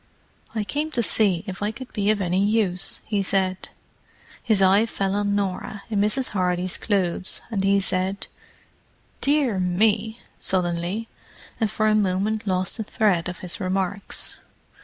"I came to see if I could be of any use," he said. His eye fell on Norah in Mrs. Hardy's clothes, and he said, "Dear me!" suddenly, and for a moment lost the thread of his remarks.